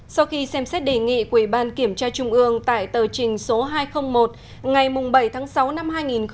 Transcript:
sau khi xem xét đề nghị của ủy ban kiểm tra trung ương tại tờ trình số hai trăm linh một ngày bảy tháng sáu năm hai nghìn một mươi chín